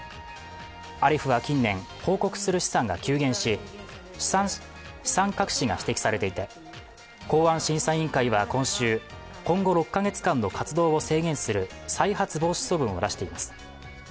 アレフは近年、報告する資産が急減し、資産隠しが指摘されていて公安審査委員会は今週今後６カ月間の活動を制限する再発防止処分を出しています。